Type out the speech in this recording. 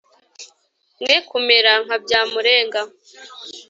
mwe kumera nka byamurenga